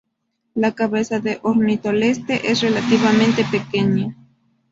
La cabeza de"Ornitholestes" es relativamente pequeña.